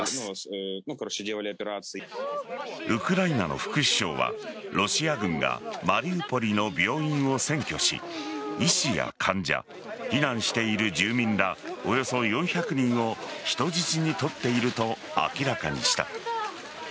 ウクライナの副首相はロシア軍がマリウポリの病院を占拠し医師や患者避難している住民らおよそ４００人を人質に取っていると明らかにした。